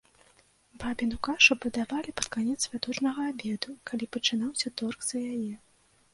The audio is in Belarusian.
Бабіну кашу падавалі пад канец святочнага абеду, калі пачынаўся торг за яе.